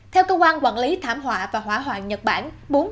theo cơ quan quản lý thảm họa và hỏa hoạn nhật bản